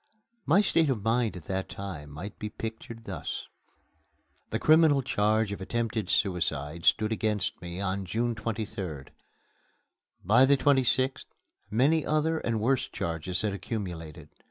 My state of mind at that time might be pictured thus: The criminal charge of attempted suicide stood against me on June 23rd. By the 26th many other and worse charges had accumulated.